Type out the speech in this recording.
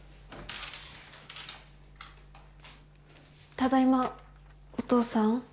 ただいまお父さん？